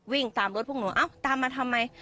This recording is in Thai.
วิ่งตามรถพวกหนูเอ้าตามมาทำไม